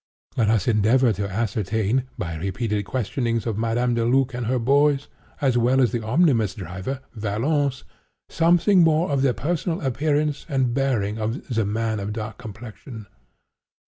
Let us endeavor to ascertain, by repeated questionings of Madame Deluc and her boys, as well as of the omnibus driver, Valence, something more of the personal appearance and bearing of the 'man of dark complexion.